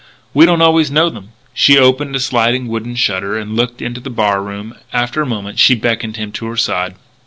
We don't always know them." She opened a sliding wooden shutter and looked into the bar room. After a moment she beckoned him to her side.